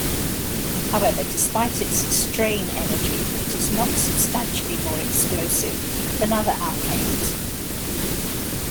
However, despite its strain energy it is not substantially more explosive than other alkanes.